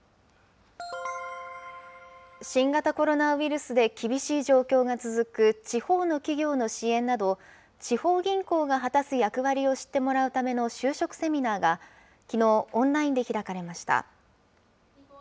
新型コロナウイルスで厳しい状況が続く地方の企業の支援など、地方銀行が果たす役割を知ってもらうための就職セミナーが、きのう、オンラインで開かれました。